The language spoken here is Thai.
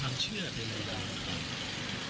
ความเชื่อเป็นอะไรบ้าง